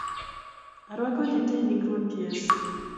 Arwako ji tee enying Ruoth Yesu